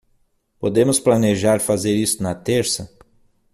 Podemos planejar fazer isso na terça?